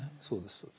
そうです。